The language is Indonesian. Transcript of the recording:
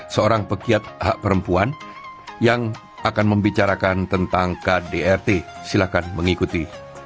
seorang pegiat hak perempuan yang akan membicarakan tentang kdrt silakan mengikuti